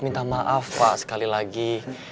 minta maaf pak sekali lagi